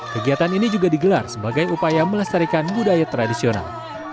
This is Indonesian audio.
kegiatan ini juga digelar sebagai upaya melestarikan budaya tradisional